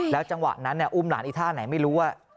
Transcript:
จังหวะนั้นอุ้มหลานอีกท่าไหนไม่รู้ว่า